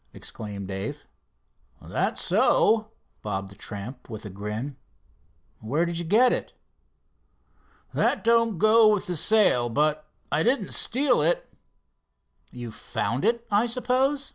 exclaimed Dave. "That's so," bobbed the tramp with a grin. "Where did you get it?" "That don't go with the sale, but I didn't steal it." "You found it, I suppose?"